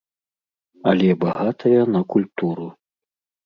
Але багатая на культуру.